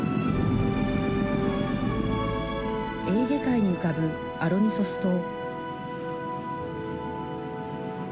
エーゲ海に浮かぶアロニソス島。